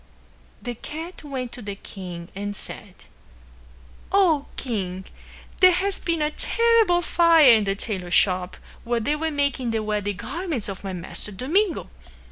The cat went to the king and said, "O King, there has been a terrible fire in the tailor shop where they were making the wedding garments of my master, Domingo.